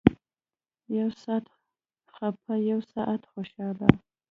يو سات خپه يو سات خوشاله.